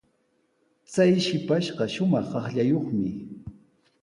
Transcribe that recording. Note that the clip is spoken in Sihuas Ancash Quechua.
Chay shipashqa shumaq qaqllayuqmi.